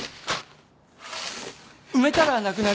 埋めたらなくなります。